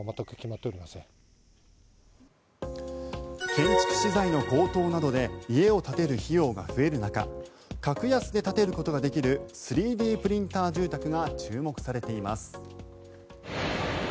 建築資材の高騰などで家を建てる費用が増える中格安で建てることができる３Ｄプリンター住宅が注目されています。